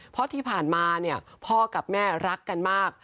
เพราะที่ผ่านมาเนี่ยพ่อกับแม่รักกันมาก